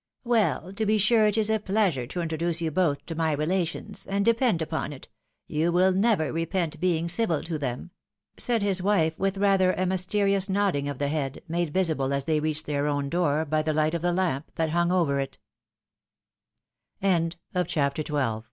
" Well ! to be sure it is a pleasure to introduce you both to my relations ! and depend upon it, you will never repent being civil to them," said his wife, with rather a mysterious nodding of the head, made visible as they reached their own door, by the light of the